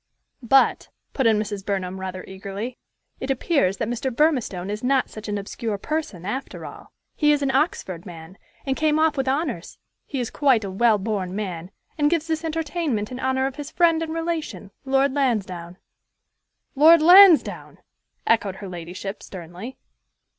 "But," put in Mrs. Burnham rather eagerly, "it appears that Mr. Burmistone is not such an obscure person, after all. He is an Oxford man, and came off with honors: he is quite a well born man, and gives this entertainment in honor of his friend and relation, Lord Lansdowne." "Lord Lansdowne!" echoed her ladyship, sternly.